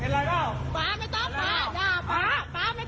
ไฟเลี้ยวนี้ทำไมไม่เปิด